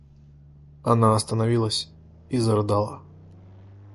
Она остановилась и зарыдала.